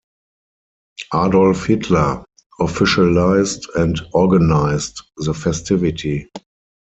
Adolf Hitler officialized and organized the festivity.